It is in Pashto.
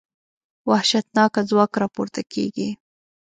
وحشتناکه ځواک راپورته کېږي.